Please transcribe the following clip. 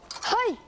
はい！